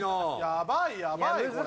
ヤバいヤバいこれ。